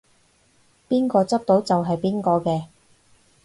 邊個執到就係邊個嘅